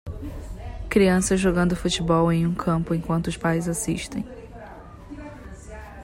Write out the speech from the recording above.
Crianças jogando futebol em um campo enquanto os pais assistem.